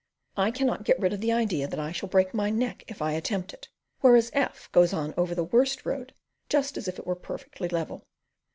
I cannot get rid of the idea that I shall break my neck if I attempt it, whereas F goes on over the worst road just as if it was perfectly level.